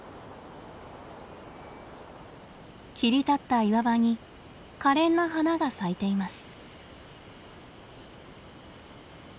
切り立った岩場にかれんな花が咲いています。